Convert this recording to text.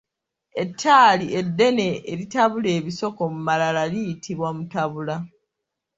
Ettaali eddene eritabula ebisoko mu malala liyitibwa mutabula.